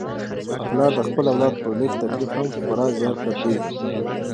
پلار د خپل اولاد په لږ تکلیف هم خورا زیات دردیږي.